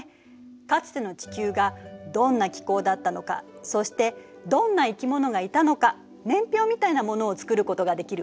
かつての地球がどんな気候だったのかそしてどんな生き物がいたのか年表みたいなものを作ることができるわ。